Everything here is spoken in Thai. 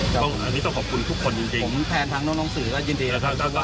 ต้องอันนี้ต้องขอบคุณทุกคนจริงจริงผมแทนทั้งน้องน้องสื่อและยินดีนะครับท่านส่วนว่า